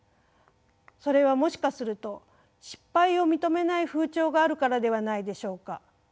それはもしかすると失敗を認めない風潮があるからではないでしょうか？